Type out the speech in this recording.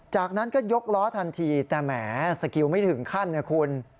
จากนั้นก็ยกล้อทันทีแต่แหมสกิลไม่ถึงขั้นนะคุณ